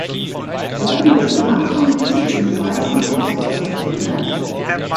Werden wir warten, bis sich im Weißen Haus etwas ändert?